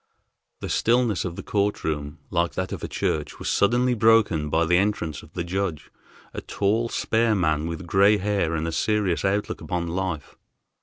The stillness of the court room, like that of a church, was suddenly broken by the entrance of the judge, a tall, spare man, with gray hair and a serious outlook upon life.